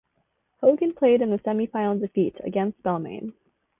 Hogan played in the semi final defeat against Balmain.